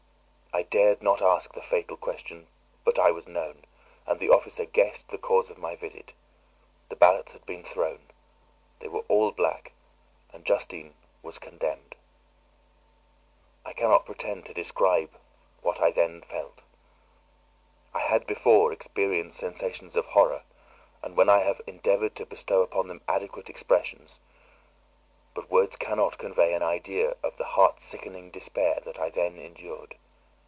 I dared not ask the fatal question, but I was known, and the officer guessed the cause of my visit. The ballots had been thrown; they were all black, and Justine was condemned. I cannot pretend to describe what I then felt. I had before experienced sensations of horror, and I have endeavoured to bestow upon them adequate expressions, but words cannot convey an idea of the heart sickening despair that I then endured.